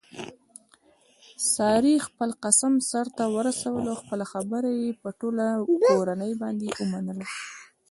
سارې خپل قسم سرته ورسولو خپله خبره یې په ټوله کورنۍ باندې ومنله.